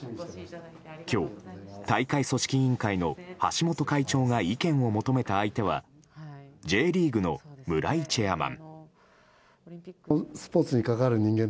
今日、大会組織委員会の橋本会長が意見を求めた相手はＪリーグの村井チェアマン。